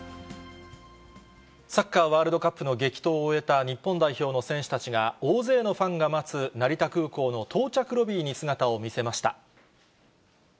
サッカーワールドカップの激闘を終えた日本代表の選手たちが大勢のファンが松成田空港の到着ロビーに姿を見せました。